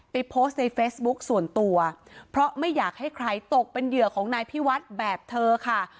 โพสต์ในเฟซบุ๊คส่วนตัวเพราะไม่อยากให้ใครตกเป็นเหยื่อของนายพิวัฒน์แบบเธอค่ะ